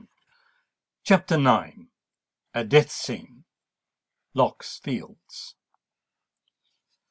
CHAPTER IX. A DEATH SCENE.—LOCK'S FIELDS.